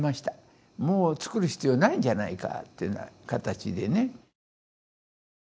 もう作る必要ないんじゃないかっていうようなかたちでね。